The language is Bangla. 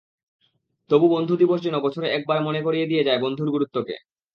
তবু বন্ধু দিবস যেন বছরে একবার মনে করিয়ে দিয়ে যায় বন্ধুর গুরুত্বকে।